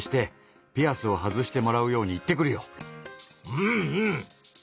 うんうん！